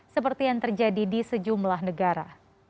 seperti yang terjadi di sejumlah negara